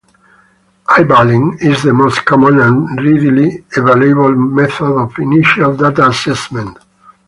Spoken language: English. "Eyeballing" is the most common and readily available method of initial data assessment.